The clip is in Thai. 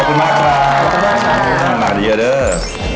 ขอบคุณมากครับ